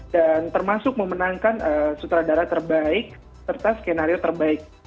dan termasuk memenangkan sutradara terbaik serta skenario terbaik